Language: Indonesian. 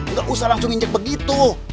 nggak usah langsung injek begitu